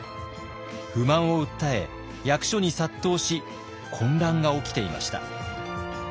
不満を訴え役所に殺到し混乱が起きていました。